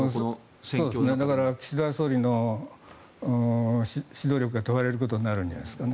岸田総理の指導力が問われることになるんじゃないですか。